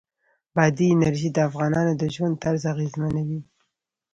بادي انرژي د افغانانو د ژوند طرز اغېزمنوي.